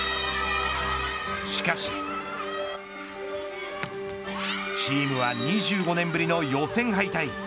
しかしチームは２５年ぶりの予選敗退。